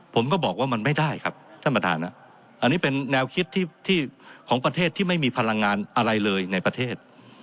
ผมก็บอกว่ามันไม่ได้ครับท่านประธานอันนี้เป็นแนวคิดที่ของประเทศที่ไม่มีพลังงานอะไรเลยในประเทศ